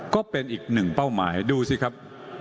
ก็เป็นอีกหนึ่งเป้าหมายดูสิครับ